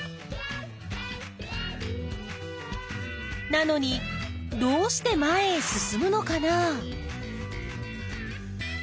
なのにどうして前へ進むのかな？